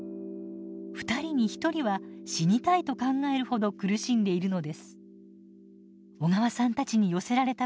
２人に１人は「死にたい」と考えるほど苦しんでいるのです。